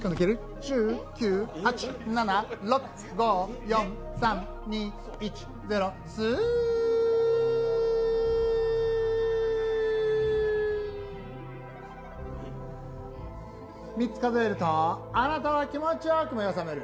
１０、９、８、７すー３つ数えると、あなたは気持ちよく目が覚める。